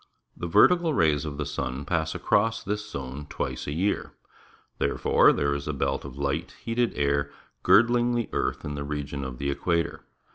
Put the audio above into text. The vertical rays of the sun pass across this zone twice a year. Therefore there is a belt of light, heated air girdling the earth in the region of the equator.